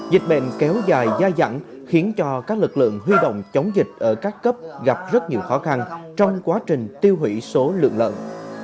dịch bệnh kéo dài dai dẳng khiến cho các lực lượng huy động chống dịch ở các cấp gặp rất nhiều khó khăn trong quá trình tiêu hủy số lượng lợn